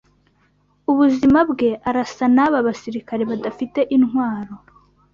Ubuzima bwe Arasa naba basirikare badafite intwaro